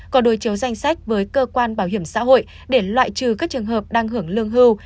có đối chiếu danh sách với cơ quan bảo hiểm xã hội để loại trừ các trường hợp đang hưởng lương hưu